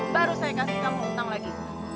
baru saya kasih kamu utang lagi